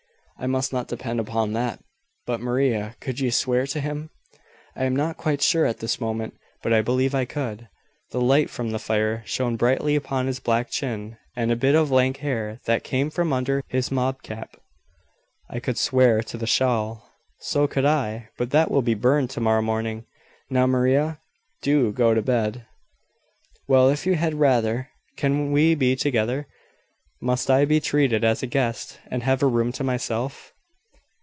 "I must not depend upon that. But, Maria, could you swear to him?" "I am not quite sure at this moment, but I believe I could. The light from the fire shone brightly upon his black chin, and a bit of lank hair that came from under his mob cap. I could swear to the shawl." "So could I: but that will be burned to morrow morning. Now, Maria, do go to bed." "Well, if you had rather . Cannot we be together? Must I be treated as a guest, and have a room to myself?"